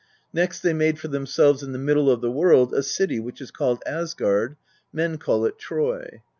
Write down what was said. Next they made for themselves in the middle of the world a city which is called Asgard; men call it Troy.